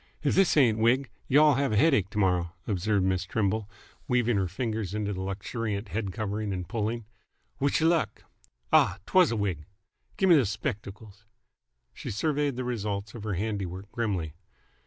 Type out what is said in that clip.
"If this ain't a wig, y'll have a headache t'morrow," observed Miss Trimble, weaving her fingers into his luxuriant head covering and pulling. "Wish y' luck! Ah! 'twas a wig. Gimme those spect'cles." She surveyed the results of her handiwork grimly.